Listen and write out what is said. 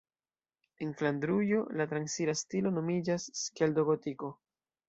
En Flandrujo la transira stilo nomiĝas Skeldo-Gotiko.